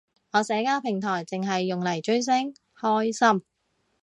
我社交平台剩係用嚟追星，開心